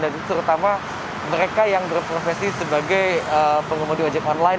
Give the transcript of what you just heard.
dan itu terutama mereka yang berprofesi sebagai pengumuman di wajib online